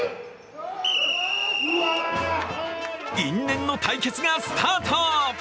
因縁の対決がスタート！